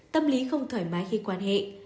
tâm lý không thoải mái khi quan hệ